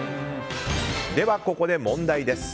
では、ここで問題です。